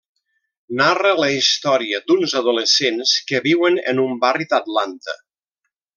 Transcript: Narra la història d'uns adolescents que viuen en un barri d'Atlanta.